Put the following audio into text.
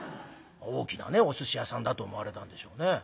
大きなねおすし屋さんだと思われたんでしょうね。